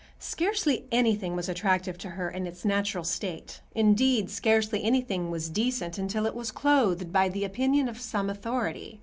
Scarcely anything was attractive to her in its natural state—indeed, scarcely anything was decent until it was clothed by the opinion of some authority.